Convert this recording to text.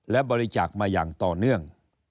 และบริจาคมาอย่างต่อเนื่อง